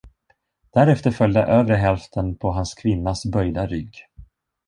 Därefter följde övre hälften på hans kvinnas böjda rygg.